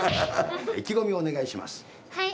意気込みをお願いします。